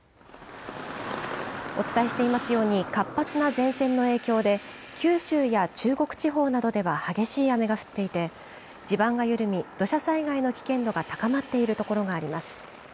お伝えしていますように活発な前線の影響で九州や中国地方などでは激しい雨が降っていて地盤が緩み土砂災害の危険度が高まっているところがあります。